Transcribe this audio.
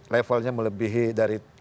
levelnya melebihi dari